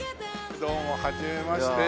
どうもはじめまして。